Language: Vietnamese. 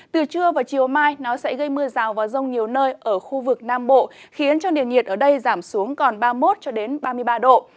từ trưa và chiều mai nó sẽ gây mưa rào và rông nhiều nơi ở khu vực nam bộ khiến cho nền nhiệt ở đây giảm xuống còn ba mươi một ba mươi ba độ